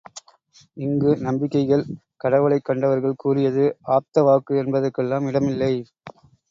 இங்கு நம்பிக்கைகள், கடவுளைக் கண்டவர்கள் கூறியது, ஆப்த வாக்கு என்பதற்கெல்லாம் இடம் இல்லை.